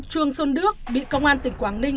truong sơn đước bị công an tỉnh quảng ninh